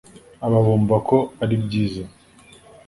aba bumva ko ari byiza